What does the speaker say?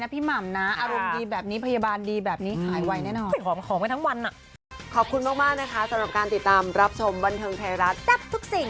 พี่หม่ำก็บอกว่าเขาเหมือนสอนลามน้ำเผ็ดนี่